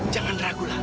jangan ragu lagi